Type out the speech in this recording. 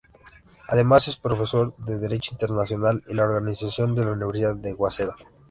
Además, es profesor de Derecho Internacional y la organización de la Universidad de Waseda.